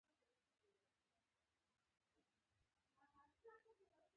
دا د تقدس په سترګه ده.